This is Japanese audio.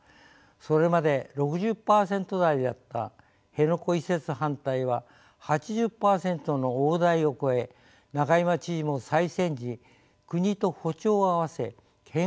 それまで６０％台だった辺野古移設反対は８０％の大台を超え仲井眞知事も再選時国と歩調を合わせ県外移設を唱えました。